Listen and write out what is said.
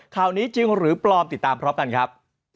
ข่าวนี้จริงหรือปลอมติดตามพร้อมกันครับ